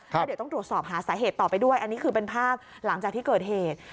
แล้วเดี๋ยวต้องตรวจสอบหาสาเหตุต่อไปด้วยอันนี้คือเป็นภาพหลังจากที่เกิดเหตุ